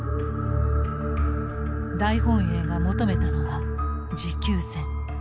大本営が求めたのは持久戦。